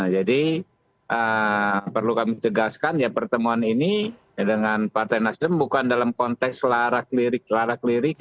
jadi perlu kami tegaskan ya pertemuan ini dengan partai nasdem bukan dalam konteks larak lirik larak lirik